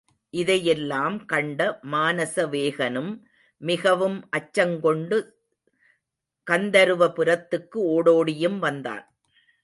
இதையெல்லாம் கண்ட மானசவேகனும் மிகவும் அச்சங்கொண்டு கந்தருவபுரத்துக்கு ஓடோடியும் வந்தான்.